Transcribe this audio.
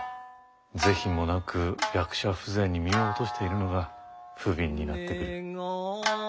是非もなく役者風情に身を落としているのがふびんになってくる。